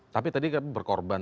tapi tadi berkorban